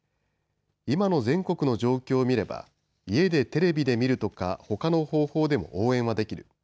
今の全国の状況を見れば家でテレビで見るとかほかの方法でも応援はできる。